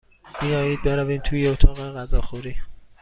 بیایید برویم توی اتاق غذاخوری.